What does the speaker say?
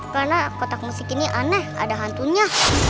karena kotak musik ini aneh ada hantunya